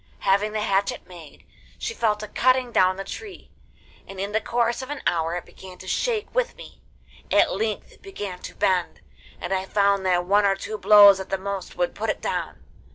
Having the hatchet made, she fell to cutting down the tree, and in the course of an hour it began to shake with me. At length it began to bend, and I found that one or two blows at the most would put it down.